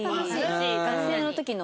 学生の時の。